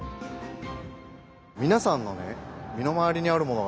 みなさんのねえ身のまわりにあるもの。